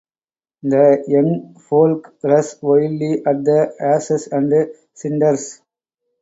The young folk rush wildly at the ashes and cinders.